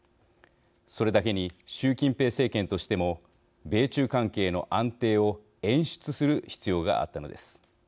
それだけに習近平政権としても米中関係の安定を演出する必要があったのです。